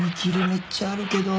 めっちゃあるけど。